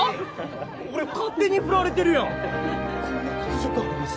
俺勝手にフラれてるやんこんな屈辱あります？